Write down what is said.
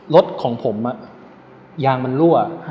รถของผมยางมันรั่ว